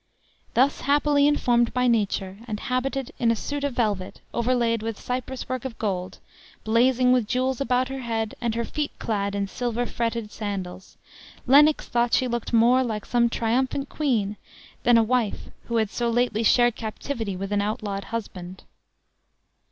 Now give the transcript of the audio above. Thus happily formed by nature, and habited in a suit of velvet, overlaid with Cyprus work of gold, blazing with jewels, about her head, and her feet clad in silver fretted sandals, Lennox thought she looked more like some triumphant queen, than a wife who had so lately shared captivity with an outlawed husband.